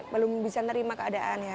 belum bisa nerima keadaan ya